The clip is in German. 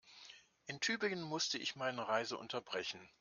In Tübingen musste ich meine Reise unterbrechen